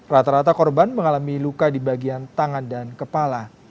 rata rata korban mengalami luka di bagian tangan dan kepala